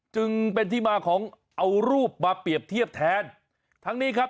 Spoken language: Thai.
จึงเป็นที่มาของเอารูปมาเปรียบเทียบแทนทั้งนี้ครับ